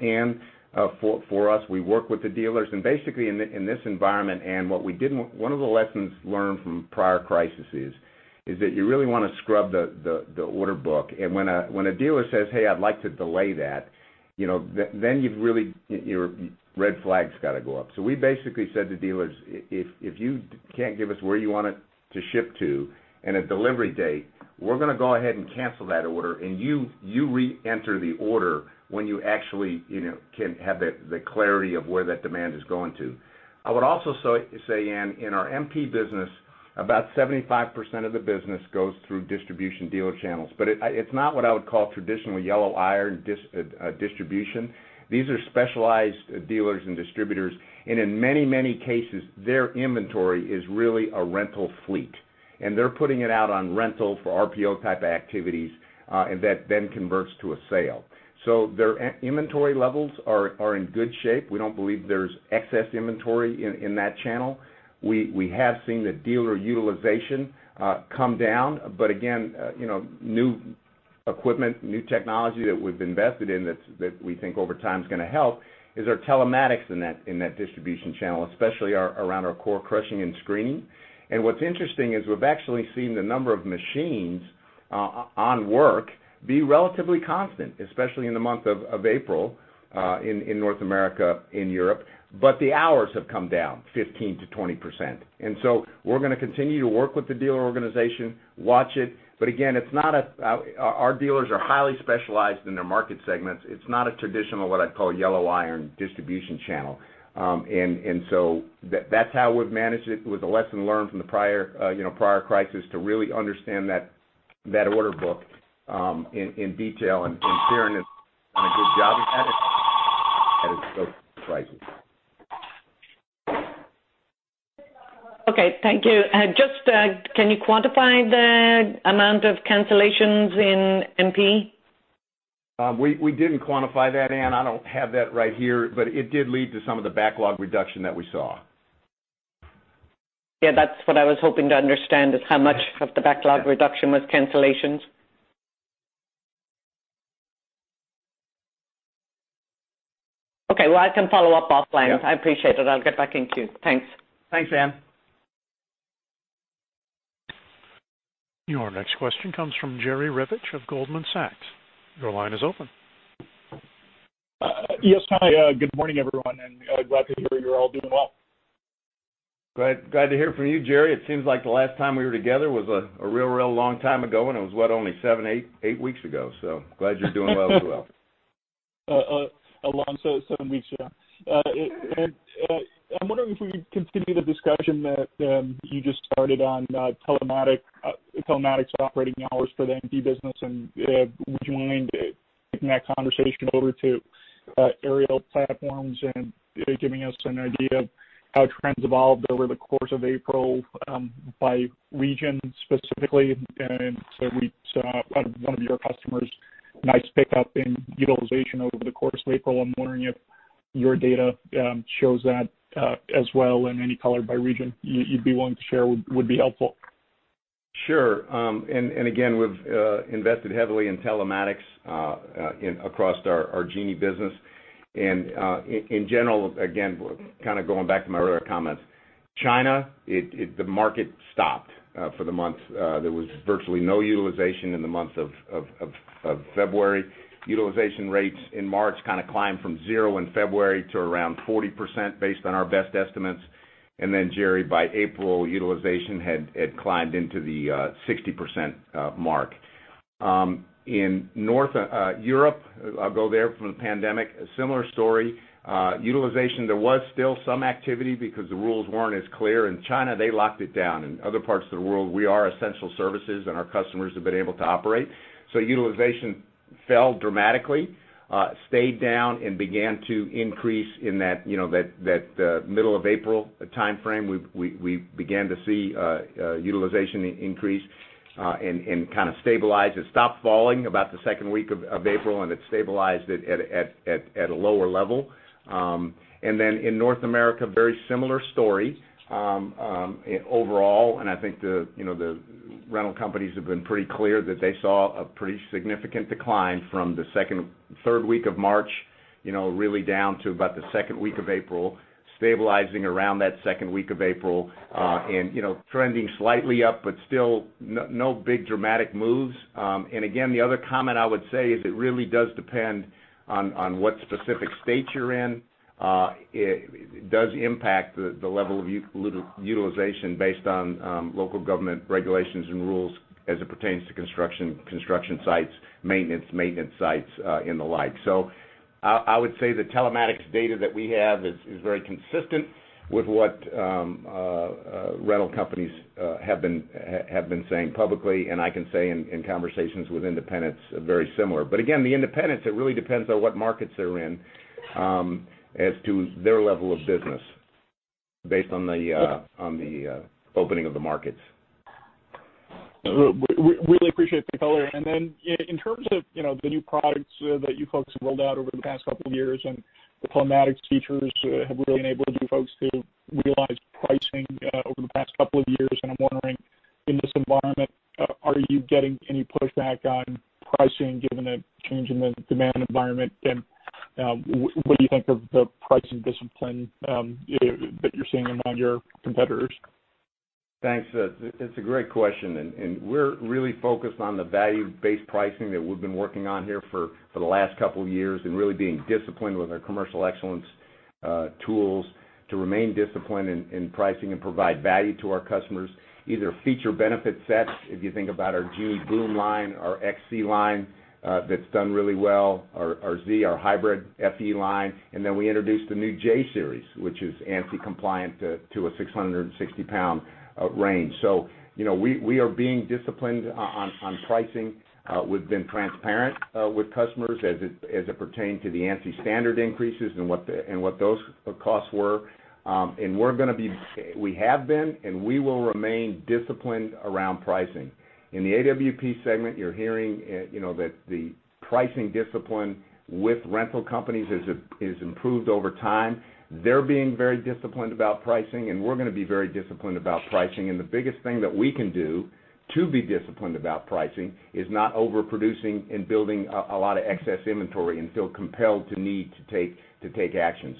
Ann, for us. We work with the dealers and basically in this environment, Ann, one of the lessons learned from prior crises is that you really want to scrub the order book. When a dealer says, "Hey, I'd like to delay that," then your red flag's got to go up. We basically said to dealers, "If you can't give us where you want it to ship to and a delivery date, we're going to go ahead and cancel that order, and you reenter the order when you actually can have the clarity of where that demand is going to." I would also say, Ann, in our MP business, about 75% of the business goes through distribution dealer channels, but it's not what I would call traditional yellow iron distribution. These are specialized dealers and distributors, and in many, many cases, their inventory is really a rental fleet, and they're putting it out on rental for RPO type activities. That then converts to a sale. Their inventory levels are in good shape. We don't believe there's excess inventory in that channel. We have seen the dealer utilization come down. Again, new equipment, new technology that we've invested in that we think over time is going to help is our telematics in that distribution channel, especially around our core crushing and screening. What's interesting is we've actually seen the number of machines on work be relatively constant, especially in the month of April in North America, in Europe. The hours have come down 15%-20%. We're going to continue to work with the dealer organization, watch it. Again, our dealers are highly specialized in their market segments. It's not a traditional, what I'd call yellow iron distribution channel. That's how we've managed it with the lesson learned from the prior crisis to really understand that order book in detail and Kieran has done a good job of. Okay. Thank you. Just can you quantify the amount of cancellations in MP? We didn't quantify that, Ann. I don't have that right here, but it did lead to some of the backlog reduction that we saw. Yeah, that's what I was hoping to understand is how much of the backlog reduction was cancellations. Okay, well, I can follow up offline. Yeah. I appreciate it. I'll get back in queue. Thanks. Thanks, Ann. Your next question comes from Jerry Revich of Goldman Sachs. Your line is open. Yes, hi. Good morning, everyone, and glad to hear you're all doing well. Glad to hear from you, Jerry. It seems like the last time we were together was a real long time ago, and it was what, only seven, eight weeks ago. Glad you're doing well as well. A long seven weeks, yeah. I'm wondering if we could continue the discussion that you just started on telematics operating hours for the MP business and would you mind taking that conversation over to aerial platforms and giving us an idea of how trends evolved over the course of April by region specifically? We saw out of one of your customers, nice pickup in utilization over the course of April. I'm wondering if your data shows that as well and any color by region you'd be willing to share would be helpful. Sure. Again, we've invested heavily in telematics across our Genie business. In general, again, kind of going back to my earlier comments. China, the market stopped for the month. There was virtually no utilization in the month of February. Utilization rates in March kind of climbed from zero in February to around 40% based on our best estimates. Jerry, by April, utilization had climbed into the 60% mark. In Northern Europe, I'll go there from the pandemic, a similar story. Utilization, there was still some activity because the rules weren't as clear. In China, they locked it down. In other parts of the world, we are essential services, and our customers have been able to operate. Utilization fell dramatically, stayed down and began to increase in that middle of April timeframe. We began to see utilization increase and kind of stabilize. It stopped falling about the second week of April, and it stabilized at a lower level. Then in North America, very similar story overall. I think the rental companies have been pretty clear that they saw a pretty significant decline from the third week of March really down to about the second week of April. Stabilizing around that second week of April. Trending slightly up, but still no big dramatic moves. Again, the other comment I would say is it really does depend on what specific state you're in. It does impact the level of utilization based on local government regulations and rules as it pertains to construction sites, maintenance sites, and the like. I would say the telematics data that we have is very consistent with what rental companies have been saying publicly. I can say in conversations with independents, very similar. Again, the independents, it really depends on what markets they're in as to their level of business based on the opening of the markets. Really appreciate the color. In terms of the new products that you folks have rolled out over the past couple of years, the telematics features have really enabled you folks to realize pricing over the past couple of years. I'm wondering, in this environment, are you getting any pushback on pricing given the change in the demand environment? What do you think of the pricing discipline that you're seeing among your competitors? Thanks. It's a great question. We're really focused on the value-based pricing that we've been working on here for the last couple of years and really being disciplined with our commercial excellence tools to remain disciplined in pricing and provide value to our customers, either feature benefit sets, if you think about our Genie boom line, our XC line that's done really well, our Z, our hybrid FE line. We introduced a new J series, which is ANSI compliant to a 660-pound range. We are being disciplined on pricing. We've been transparent with customers as it pertained to the ANSI standard increases and what those costs were. We have been, and we will remain disciplined around pricing. In the AWP segment, you're hearing that the pricing discipline with rental companies has improved over time. They're being very disciplined about pricing, and we're going to be very disciplined about pricing. The biggest thing that we can do to be disciplined about pricing is not overproducing and building a lot of excess inventory and feel compelled to need to take action.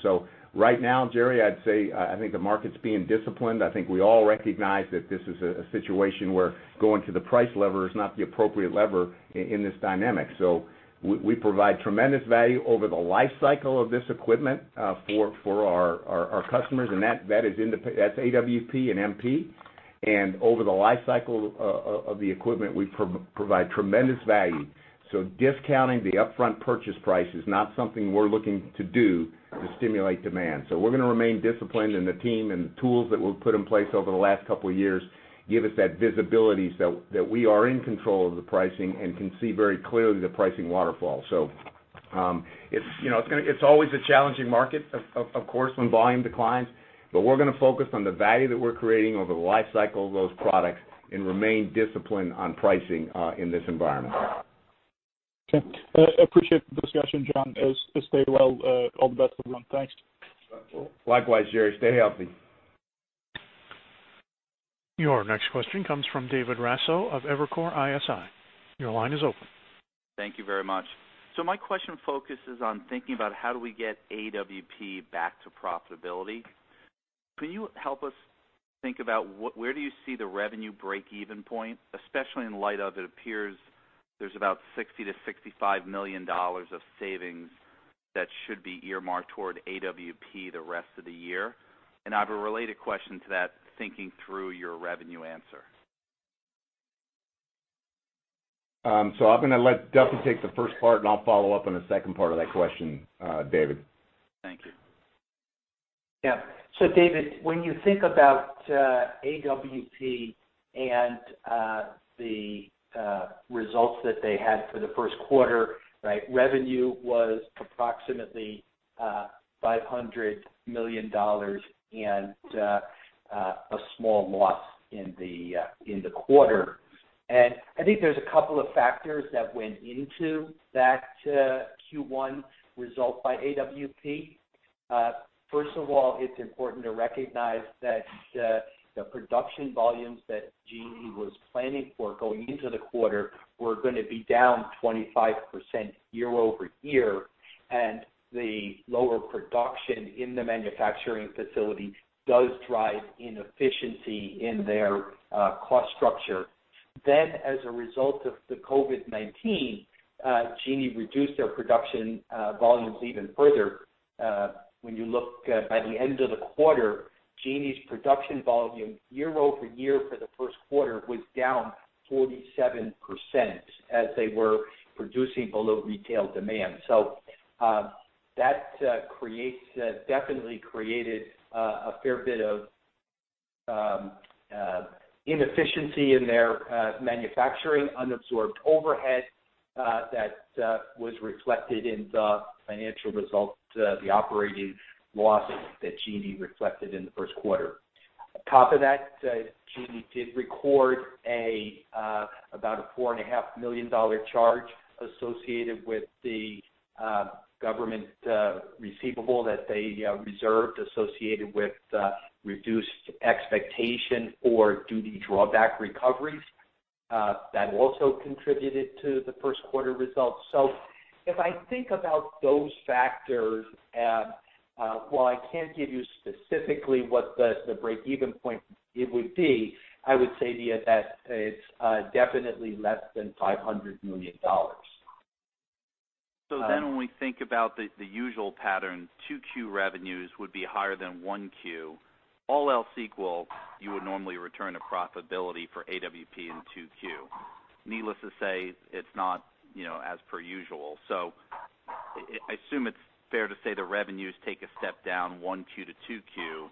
Right now, Jerry, I'd say I think the market's being disciplined. I think we all recognize that this is a situation where going to the price lever is not the appropriate lever in this dynamic. We provide tremendous value over the life cycle of this equipment for our customers. That's AWP and MP. Over the life cycle of the equipment, we provide tremendous value. Discounting the upfront purchase price is not something we're looking to do to stimulate demand. We're going to remain disciplined, and the team and the tools that we've put in place over the last couple of years give us that visibility so that we are in control of the pricing and can see very clearly the pricing waterfall. It's always a challenging market, of course, when volume declines, but we're going to focus on the value that we're creating over the life cycle of those products and remain disciplined on pricing in this environment. Okay. Appreciate the discussion, John. Stay well. All the best for everyone. Thanks. Likewise, Jerry. Stay healthy. Your next question comes from David Raso of Evercore ISI. Your line is open. Thank you very much. My question focuses on thinking about how do we get AWP back to profitability. Can you help us think about where do you see the revenue break-even point, especially in light of it appears there's about $60 million-$65 million of savings that should be earmarked toward AWP the rest of the year? I have a related question to that, thinking through your revenue answer. I'm going to let Duffy take the first part, and I'll follow up on the second part of that question, David. Thank you. David, when you think about AWP and the results that they had for the first quarter, revenue was approximately $500 million and a small loss in the quarter. I think there's a couple of factors that went into that Q1 result by AWP. First of all, it's important to recognize that the production volumes that Genie was planning for going into the quarter were going to be down 25% year-over-year, and the lower production in the manufacturing facility does drive inefficiency in their cost structure. As a result of the COVID-19, Genie reduced their production volumes even further. When you look at by the end of the quarter, Genie's production volume year-over-year for the first quarter was down 47% as they were producing below retail demand. That definitely created a fair bit of inefficiency in their manufacturing, unabsorbed overhead that was reflected in the financial results, the operating losses that Genie reflected in the first quarter. On top of that, Genie did record about a $4.5 million charge associated with the government receivable that they reserved associated with reduced expectation for duty drawback recoveries. That also contributed to the first quarter results. If I think about those factors, and while I can't give you specifically what the break-even point it would be, I would say to you that it's definitely less than $500 million. When we think about the usual pattern, 2Q revenues would be higher than 1Q. All else equal, you would normally return to profitability for AWP in 2Q. Needless to say, it's not as per usual. I assume it's fair to say the revenues take a step down 1Q to 2Q,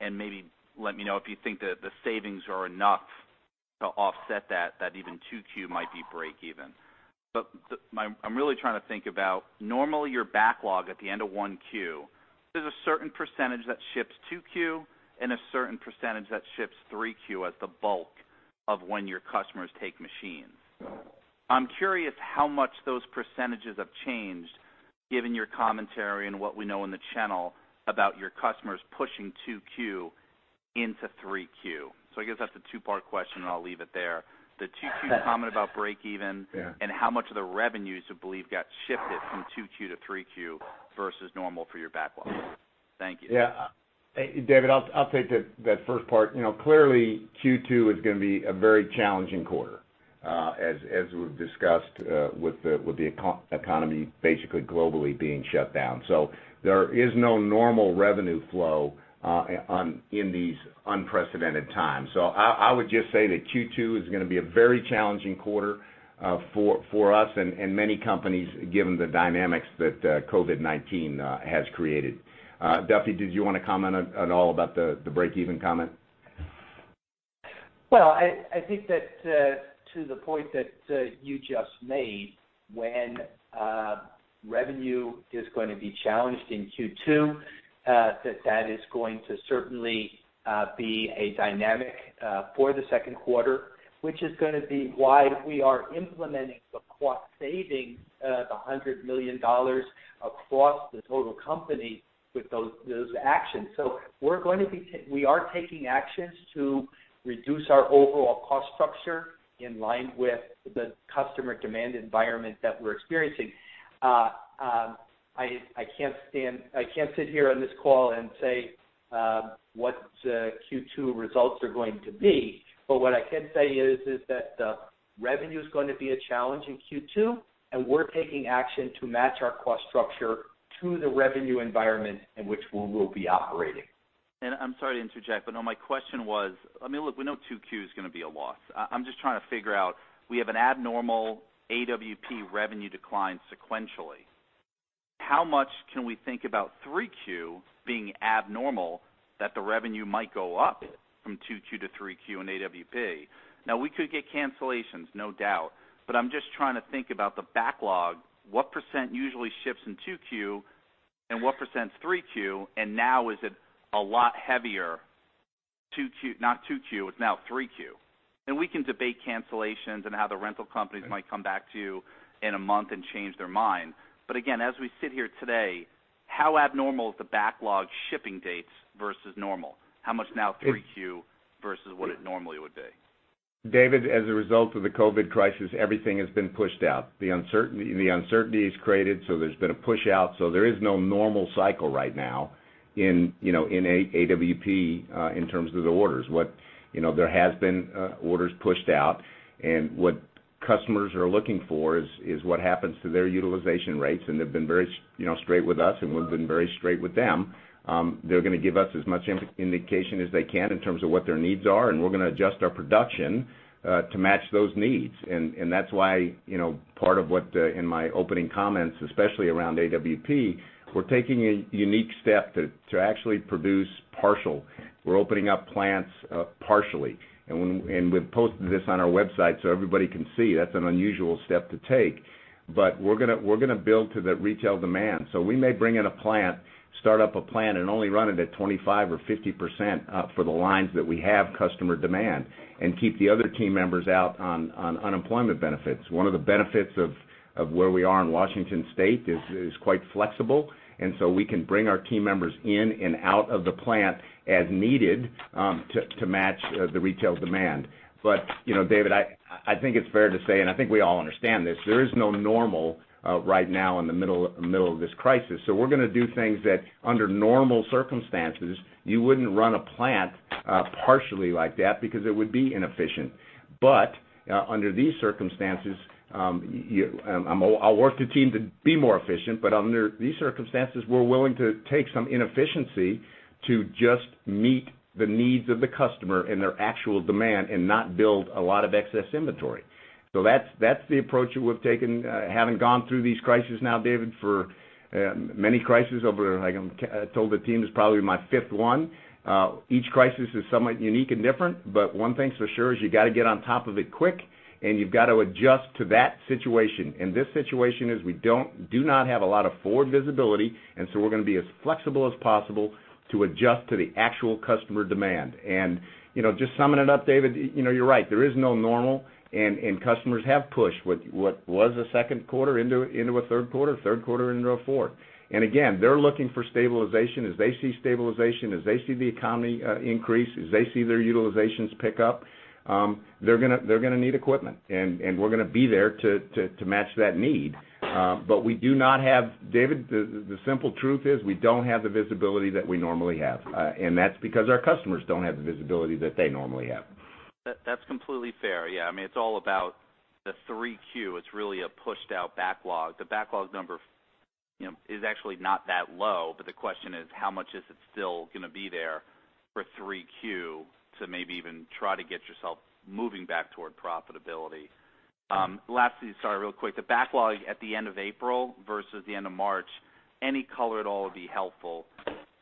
and maybe let me know if you think that the savings are enough to offset that even 2Q might be break even. I'm really trying to think about, normally, your backlog at the end of 1Q, there's a certain percentage that ships 2Q and a certain percentage that ships 3Q as the bulk of when your customers take machines. I'm curious how much those percentages have changed given your commentary and what we know in the channel about your customers pushing 2Q into 3Q. I guess that's a two-part question, and I'll leave it there. The 2Q comment about break-even. Yeah. How much of the revenues you believe got shifted from 2Q to 3Q versus normal for your backlog? Thank you. Yeah. David, I'll take that first part. Clearly, Q2 is going to be a very challenging quarter, as we've discussed, with the economy basically globally being shut down. There is no normal revenue flow in these unprecedented times. I would just say that Q2 is going to be a very challenging quarter for us and many companies, given the dynamics that COVID-19 has created. Duffy, did you want to comment at all about the break-even comment? Well, I think that to the point that you just made, when revenue is going to be challenged in Q2, that that is going to certainly be a dynamic for the second quarter, which is going to be why we are implementing the cost saving, the $100 million across the total company with those actions. We are taking actions to reduce our overall cost structure in line with the customer demand environment that we're experiencing. I can't sit here on this call and say what Q2 results are going to be, but what I can say is that the revenue's going to be a challenge in Q2, and we're taking action to match our cost structure to the revenue environment in which we will be operating. I'm sorry to interject, but no, my question was, Look, we know 2Q is going to be a loss. I'm just trying to figure out, we have an abnormal AWP revenue decline sequentially. How much can we think about 3Q being abnormal that the revenue might go up from 2Q to 3Q in AWP? We could get cancellations, no doubt, but I'm just trying to think about the backlog. What % usually shifts in 2Q, and what %'s 3Q? Now is it a lot heavier, not 2Q, it's now 3Q. We can debate cancellations and how the rental companies might come back to you in a month and change their mind. Again, as we sit here today, how abnormal is the backlog shipping dates versus normal? How much now 3Q versus what it normally would be? David, as a result of the COVID crisis, everything has been pushed out. The uncertainty is created, there's been a push-out, there is no normal cycle right now in AWP in terms of the orders. There has been orders pushed out, what customers are looking for is what happens to their utilization rates. They've been very straight with us, we've been very straight with them. They're going to give us as much indication as they can in terms of what their needs are, we're going to adjust our production to match those needs. That's why, part of what, in my opening comments, especially around AWP, we're taking a unique step to actually produce partial. We're opening up plants partially. We've posted this on our website so everybody can see. That's an unusual step to take. We're going to build to the retail demand. We may bring in a plant, start up a plant, and only run it at 25% or 50% for the lines that we have customer demand, and keep the other team members out on unemployment benefits. One of the benefits of where we are in Washington State is quite flexible, and so we can bring our team members in and out of the plant as needed to match the retail demand. David, I think it's fair to say, and I think we all understand this, there is no normal right now in the middle of this crisis. We're going to do things that, under normal circumstances, you wouldn't run a plant partially like that because it would be inefficient. Under these circumstances, I'll work the team to be more efficient, but under these circumstances, we're willing to take some inefficiency to just meet the needs of the customer and their actual demand and not build a lot of excess inventory. That's the approach that we've taken, having gone through these crises now, David, for many crises over, like I told the team, it's probably my fifth one. Each crisis is somewhat unique and different, but one thing's for sure is you got to get on top of it quick and you've got to adjust to that situation. This situation is we do not have a lot of forward visibility, we're going to be as flexible as possible to adjust to the actual customer demand. Just summing it up, David, you're right. There is no normal, customers have pushed what was a second quarter into a third quarter, third quarter into a fourth. Again, they're looking for stabilization. As they see stabilization, as they see the economy increase, as they see their utilizations pick up, they're going to need equipment. We're going to be there to match that need. David, the simple truth is we don't have the visibility that we normally have. That's because our customers don't have the visibility that they normally have. That's completely fair. Yeah. It's all about the 3Q. It's really a pushed out backlog. The backlog number is actually not that low, the question is how much is it still going to be there for 3Q to maybe even try to get yourself moving back toward profitability? Lastly, sorry, real quick, the backlog at the end of April versus the end of March, any color at all would be helpful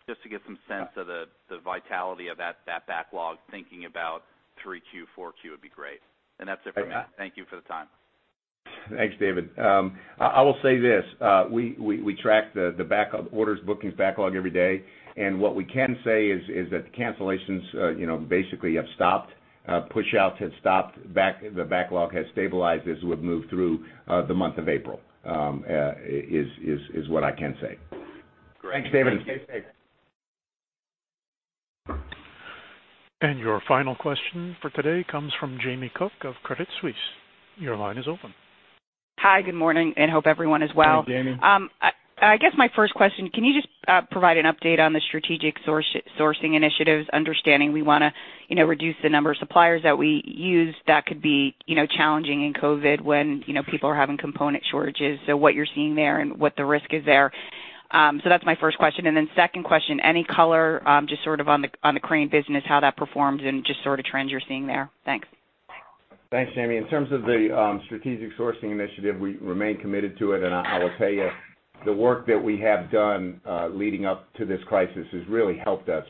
just to get some sense of the vitality of that backlog, thinking about 3Q, 4Q, would be great. That's it for me. Okay. Thank you for the time. Thanks, David. I will say this. We track the orders bookings backlog every day, and what we can say is that the cancellations basically have stopped. Push-outs have stopped. The backlog has stabilized as we have moved through the month of April, is what I can say. Great. Thanks, David. Stay safe. Your final question for today comes from Jamie Cook of Credit Suisse. Your line is open. Hi, good morning, and hope everyone is well. Hi, Jamie. I guess my first question, can you just provide an update on the strategic sourcing initiatives, understanding we want to reduce the number of suppliers that we use that could be challenging in COVID when people are having component shortages. What you're seeing there and what the risk is there. That's my first question, second question, any color just sort of on the crane business, how that performed and just sort of trends you're seeing there? Thanks. Thanks, Jamie. In terms of the strategic sourcing initiative, we remain committed to it. I will tell you, the work that we have done leading up to this crisis has really helped us.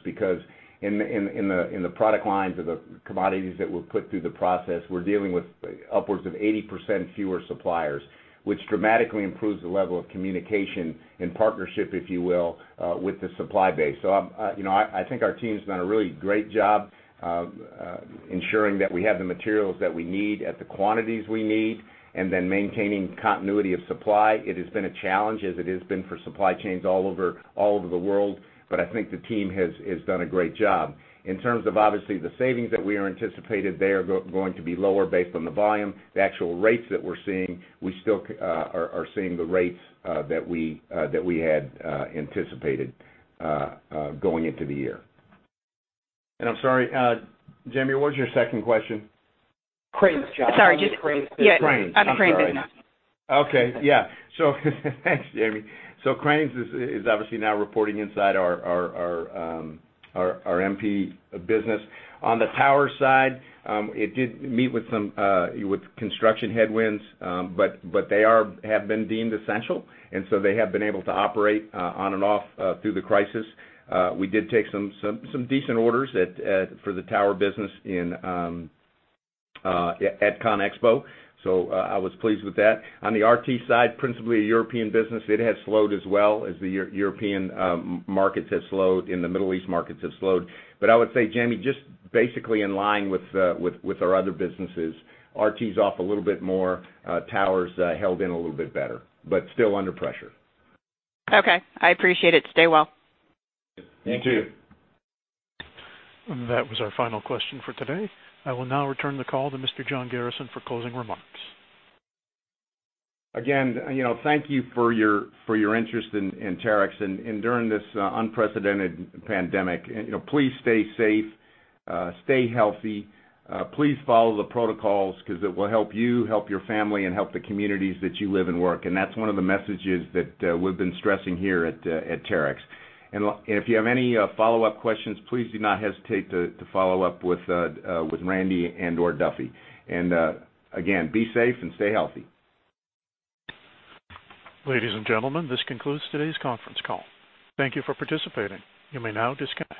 In the product lines of the commodities that we've put through the process, we're dealing with upwards of 80% fewer suppliers, which dramatically improves the level of communication and partnership, if you will, with the supply base. I think our team's done a really great job ensuring that we have the materials that we need at the quantities we need, and then maintaining continuity of supply. It has been a challenge, as it has been for supply chains all over the world, but I think the team has done a great job. In terms of obviously the savings that we anticipate, they are going to be lower based on the volume. The actual rates that we're seeing, we still are seeing the rates that we had anticipated going into the year. I'm sorry Jamie, what was your second question? Cranes, John. Sorry. How was cranes? Yeah. Cranes. I'm sorry. On the cranes business. Okay. Yeah. Thanks, Jamie. Cranes is obviously now reporting inside our MP business. On the tower side, it did meet with construction headwinds, but they have been deemed essential, and so they have been able to operate on and off through the crisis. We did take some decent orders for the tower business in CONEXPO. I was pleased with that. On the RT side, principally a European business, it has slowed as well as the European markets have slowed and the Middle East markets have slowed. I would say, Jamie, just basically in line with our other businesses, RT's off a little bit more. Towers held in a little bit better, but still under pressure. Okay. I appreciate it. Stay well. You too. That was our final question for today. I will now return the call to Mr. John Garrison for closing remarks. Again, thank you for your interest in Terex, during this unprecedented pandemic. Please stay safe, stay healthy. Please follow the protocols, because it will help you, help your family, and help the communities that you live and work. That's one of the messages that we've been stressing here at Terex. If you have any follow-up questions, please do not hesitate to follow up with Randy and/or Duffy. Again, be safe and stay healthy. Ladies and gentlemen, this concludes today's conference call. Thank you for participating. You may now disconnect.